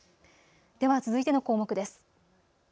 では続いての項目です。